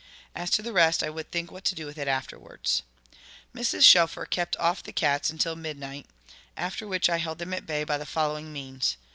As to the rest, I would think what to do with it afterwards. Mrs. Shelfer kept off the cats until midnight, after which I held them at bay by the following means.